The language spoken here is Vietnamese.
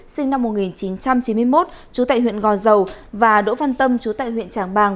sinh năm một nghìn chín trăm chín mươi một trú tại huyện gò dầu và đỗ văn tâm chú tại huyện trảng bàng